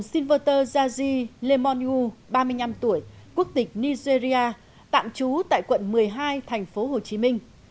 shinverter zaji lemonyu ba mươi năm tuổi quốc tịch nigeria tạm trú tại quận một mươi hai thành phố hồ chí minh